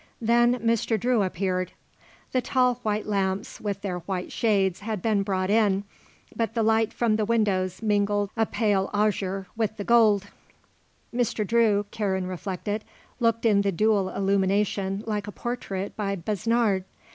Then Mr. Drew appeared. The tall white lamps with their white shades had been brought in, but the light from the windows mingled a pale azure with the gold. Mr. Drew, Karen reflected, looked in the dual illumination like a portrait by Besnard.